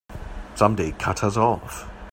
Somebody cut us off!